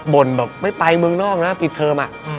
บ่นแบบไปเมืองนอกนะปีเทอม